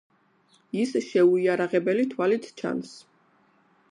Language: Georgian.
ის შეუიარაღებელი თვალით ჩანს.